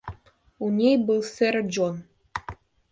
У ней был сэр Джон.